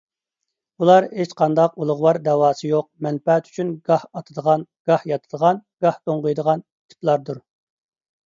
ئۇلار ھېچقانداق ئۇلۇغۋار دەۋاسى يوق، مەنپەئەت ئۈچۈن گاھ ئاتىدىغان، گاھ ياتىدىغان، گاھ دوڭغىيىدىغان تىپلاردۇر.